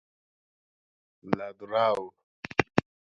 لدروه